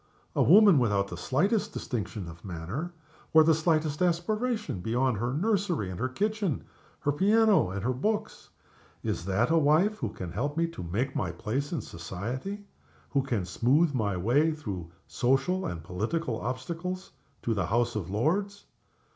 A woman without the slightest distinction of manner, or the slightest aspiration beyond her nursery and her kitchen, her piano and her books. Is that a wife who can help me to make my place in society? who can smooth my way through social obstacles and political obstacles, to the House of Lords?